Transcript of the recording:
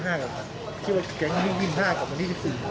คิดว่าแก๊งนี้๒๕กับวันที่๒๔